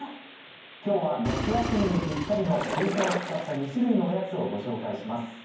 今日は夏休みにピッタリのすいかを使った２種類のおやつをご紹介します。